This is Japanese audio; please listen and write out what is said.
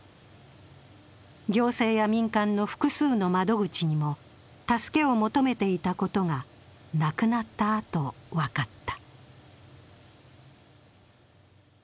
行政や民間の複数の窓口にも助けを求めていたことが亡くなったあと、分かった。